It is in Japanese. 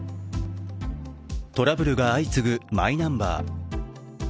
トラブルが相次ぐマイナンバー。